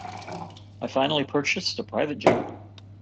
I finally purchased a private jet.